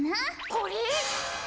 これ？